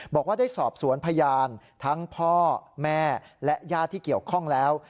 บอกว่าได้สอบสวนพยานทั้งพ่อแม่และญาติที่เกี่ยวข้องแล้ว